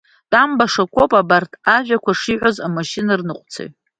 Тәамбашақә ауп абарҭ ажәақәа шиҳәаз амашьынаныҟәцаҩ.